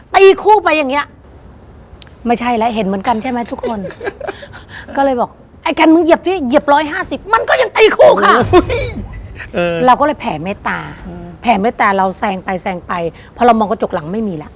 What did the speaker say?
แต่ไม่แต่เราแซงไปไปเพราะเรามองกระจกหลังไม่มีแล้ว